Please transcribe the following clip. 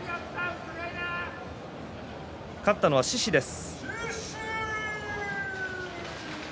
勝ったのは獅司です。